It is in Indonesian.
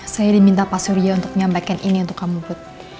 saya diminta pak surya untuk menyampaikan ini untuk kamu bud